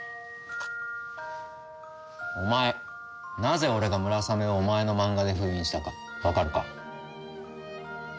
お前なぜ俺がムラサメをお前のマンガで封印したかわかるか？